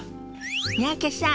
三宅さん